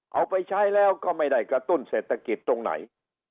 เอาไปใช้แล้วก็ไม่ได้กระตุ้นเศรษฐกิจตรงไหน